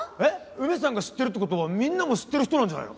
梅さんが知ってるって事はみんなも知ってる人なんじゃないの？